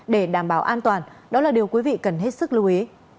để đảm bảo an toàn đó là điều quý vị cần hết sức lưu ý